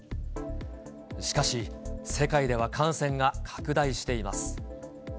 しかし、世界では感染が拡大しています。